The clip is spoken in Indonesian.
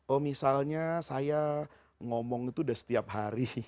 oh misalnya saya ngomong itu udah setiap hari